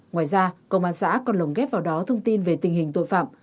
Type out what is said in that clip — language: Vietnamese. ngoài ra công an xã còn lồng ghép vào đó thông tin về tình hình tội phạm